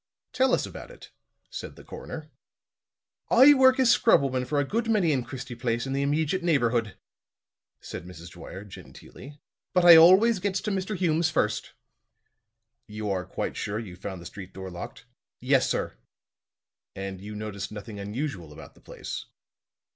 "Tell us about it," said the coroner. "I work as scrub woman for a good many in Christie Place an' the immejeat neighborhood," said Mrs. Dwyer, genteelly. "But I always gets to Mr. Hume's first." "You are quite sure you found the street door locked?" "Yes, sir." "And you noticed nothing unusual about the place?"